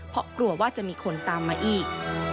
เพราะกลัวว่าจะมีคนตามมาอีก